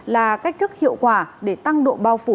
là cách thức hiệu quả để tăng độ bao phủ